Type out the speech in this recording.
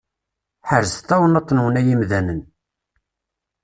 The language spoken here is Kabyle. Ḥerzet tawennaṭ-nwen ay imdanen!